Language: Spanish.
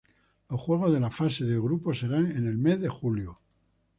Los juegos de la fase de grupos serán en el mes de julio.